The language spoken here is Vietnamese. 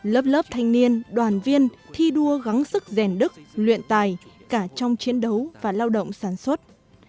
lớp lớp thanh niên đoàn viên thi đua gắn sức rèn đức luyện tài cả trong chiến đấu và lao động sản xuất